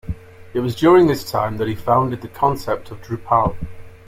It was during this time that he founded the concept of Drupal.